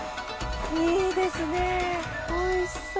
いいですねおいしそう。